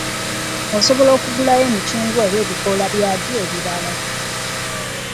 Osobola okugulayo emicungwa oba ebikoola byagyo ebiralala.